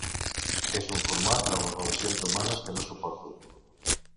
És un format de les relacions humanes que no suporto.